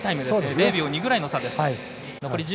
０秒２くらいの差です。